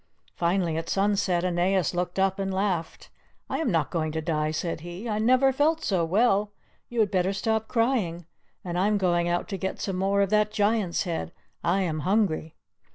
Finally at sunset Aeneas looked up and laughed. "I am not going to die," said he; "I never felt so well; you had better stop crying. And I am going out to get some more of that Giant's head; I am hungry."